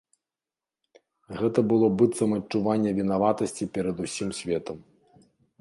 Гэта было быццам адчуванне вінаватасці перад усім светам.